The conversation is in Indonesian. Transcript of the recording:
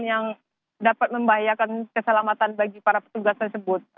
yang dapat membahayakan keselamatan bagi para petugas tersebut